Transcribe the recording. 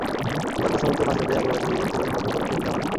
এবার প্রশ্নপত্র ফাঁস রোধে আগের বছরগুলোর তুলনায় কঠোর পদক্ষেপ নেওয়া হয়।